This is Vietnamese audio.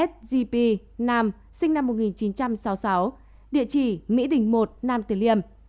ba s g p nam sinh năm một nghìn chín trăm sáu mươi sáu địa chỉ mỹ đình một nam tử liêm